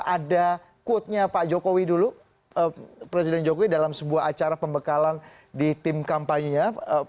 ada quote nya pak jokowi dulu presiden jokowi dalam sebuah acara pembekalan di tim kampanye nya